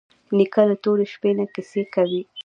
نیکه له تورې شپې نه کیسې کوي.